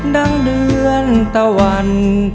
ดังเดือนตะวัน